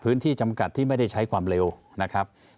จำกัดที่ไม่ได้ใช้ความเร็วนะครับ